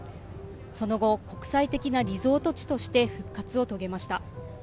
その後、国際的なリゾート地として復活を遂げました。